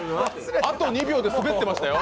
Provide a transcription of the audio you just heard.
あと２秒でスベってましたよ。